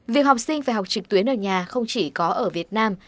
việc học sinh phải học trực tuyến ở nhà không chỉ có ở việt nam